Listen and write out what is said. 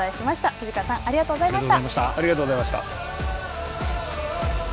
藤川さんありがとうございました。